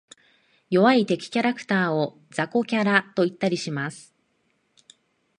弱い敵キャラクターを雑魚キャラと言ったりします。